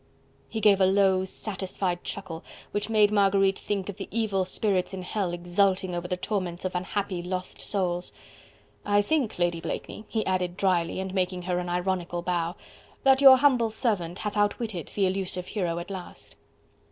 He gave a low, satisfied chuckle which made Marguerite think of the evil spirits in hell exulting over the torments of unhappy lost souls. "I think, Lady Blakeney," he added drily and making her an ironical bow, "that your humble servant hath outwitted the elusive hero at last."